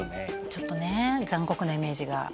ちょっとね残酷なイメージが。